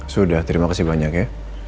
sudah terima kasih banyak ya